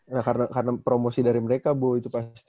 nah karena promosi dari mereka bu itu pasti